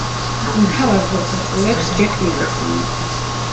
მთავარ როლს ასრულებს ჯეკ ნიკოლსონი.